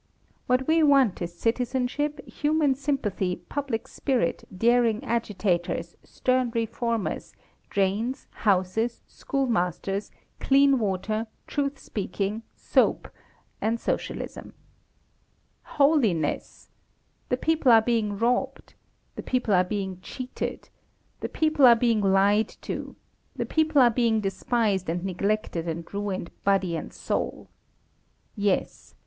What we want is citizenship, human sympathy, public spirit, daring agitators, stern reformers, drains, houses, schoolmasters, clean water, truth speaking, soap and Socialism. Holiness! The people are being robbed. The people are being cheated. The people are being lied to. The people are being despised and neglected and ruined body and soul. Yes.